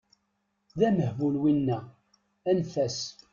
D amehbul winna, anef-as!